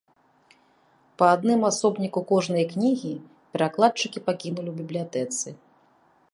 Па адным асобніку кожнай кнігі перакладчыкі пакінулі ў бібліятэцы.